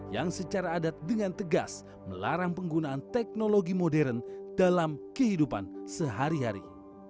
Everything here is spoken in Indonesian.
yang secara adat dengan tegas melarang penggunaan teknologi modern dalam kehidupan sehari hari